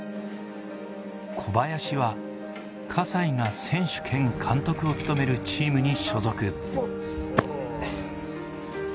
小林は葛西が選手兼監督を務めるチームに所属。